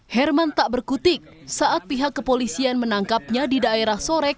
herman tak berkutik saat pihak kepolisian menangkapnya di daerah sore